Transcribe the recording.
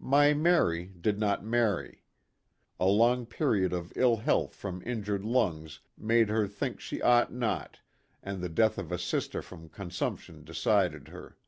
My Mary did not marry. A long period of ill health from injured lungs made her think she ought not, and the death of a sister from con sumption decided her.